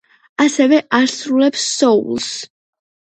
ასევე ასრულებს სოულს.